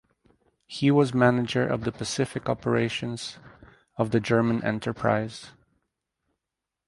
He was manager of the Pacific operations of the German enterprise.